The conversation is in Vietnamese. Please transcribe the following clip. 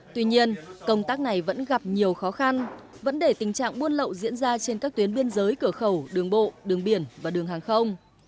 tuy nhiên công tác này vẫn gặp nhiều khó khăn vấn đề tình trạng buôn lậu diễn ra trên các tuyến biên giới cửa khẩu đường bộ đường biển và đường hàng không